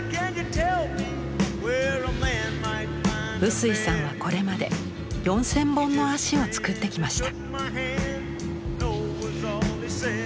臼井さんはこれまで４，０００本の足を作ってきました。